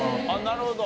なるほど。